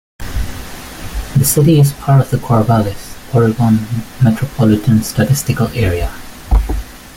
The city is part of the Corvallis, Oregon, Metropolitan Statistical Area.